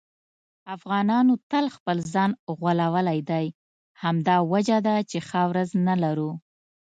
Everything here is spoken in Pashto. افغانانو تل خپل ځان غولولی دی. همدا وجه ده چې ښه ورځ نه لرو.